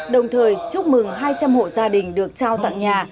đồng thời chúc mừng hai trăm linh hộ gia đình được trao tặng nhà